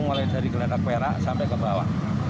mulai dari geletak perak sampai ke bawah